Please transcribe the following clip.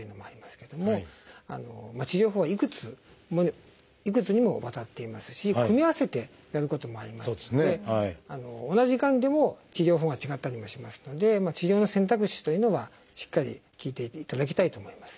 けども治療法はいくつにもわたっていますし組み合わせてやることもありますので同じがんでも治療法が違ったりもしますので治療の選択肢というのはしっかり聞いていっていただきたいと思いますね。